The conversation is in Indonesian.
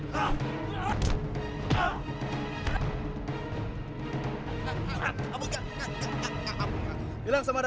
hei perang mana